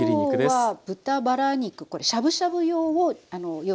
今日は豚バラ肉これしゃぶしゃぶ用を用意しました。